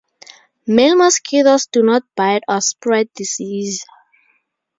Male mosquitoes do not bite or spread disease.